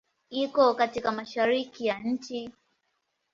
Iko katika Mashariki ya nchi.